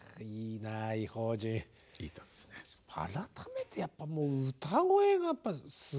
改めてやっぱもう歌声がやっぱりすごいですね。